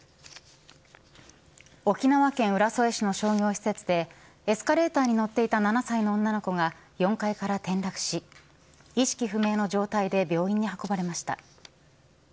沖縄県浦添市の商業施設でエスカレーターに乗っていた７歳の女の子が４階から転落し意識不明の状態で病院に運ばれました。